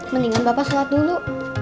mendingan bapak sholat dulu